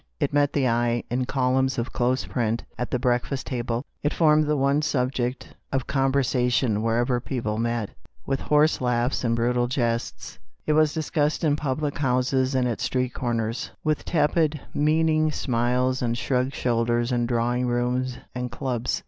It met the eye, in columns of close print, at the breakfast table ; it formed the 213 THE STORY OF A MODERN WOMAN. • one subject of conversation wherever people met With hoarse laughs and brutal jests, it was discussed in public houses and at street corners; with tepid, meaning smiles and shrugged shoulders in drawing rooms and clubs.